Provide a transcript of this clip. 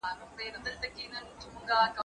هغه وويل چي مينه ښکاره کول ضروري دي؟